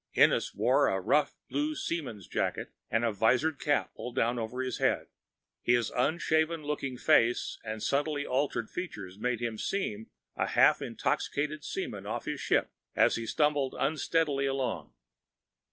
Ennis wore a rough blue seaman's jacket and a vizored cap pulled down over his head. His unshaven looking face and subtly altered features made him seem a half intoxicated seaman off his ship, as he stumbled unsteadily along.